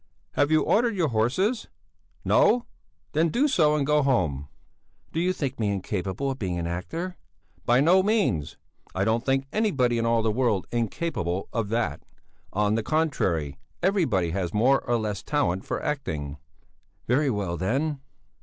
"Have you ordered your horses? No? Then do so and go home." "Do you think me incapable of becoming an actor?" "By no means! I don't think anybody in all the world incapable of that. On the contrary! Everybody, has more or less talent for acting." "Very well then!"